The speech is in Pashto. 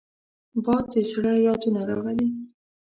باد د زړه یادونه راولي